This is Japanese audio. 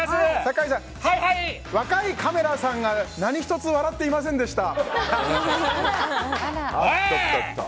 若いカメラさんが何一つ笑っていませんでした。